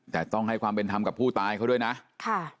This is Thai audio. แต่ต้องให้ความเป็นธรรมกับผู้ตายเขาด้วยนะค่ะ